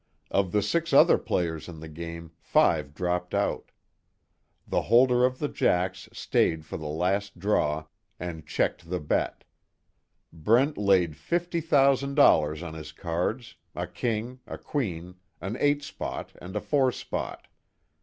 Of the six other players in the game five dropped out. The holder of the Jacks stayed for the last draw and checked the bet. Brent laid fifty thousand dollars on his cards, a king, a queen, an eight spot and a four spot.